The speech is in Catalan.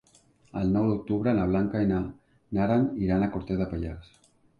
El nou d'octubre na Blanca i na Nara iran a Cortes de Pallars.